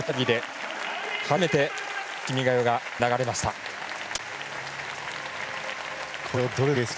初めて「君が代」が流れます。